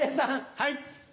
はい。